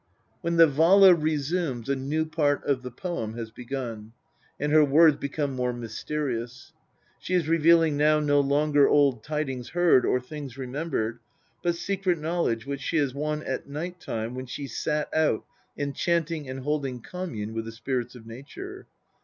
When the Vala resumes, a new part of the poem has begun, and her words become more mysterious. She is revealing now no longer old tidings heard or things remembered, but secret knowledge which she has won at night time when she "sat out" enchanting and holding commune with the spirits of nature.